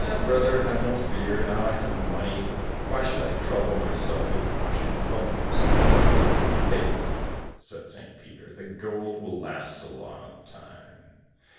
"Eh, brother, have no fear, now I have money, why should I trouble myself with washing bones?" "Faith," said St. Peter, "the gold will last a long time!